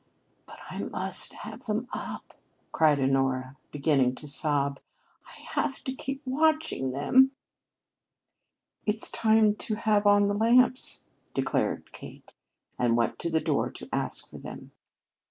"But I must have them up," cried Honora, beginning to sob. "I have to keep watching them." "It's time to have in the lamps," declared Kate; and went to the door to ask for them.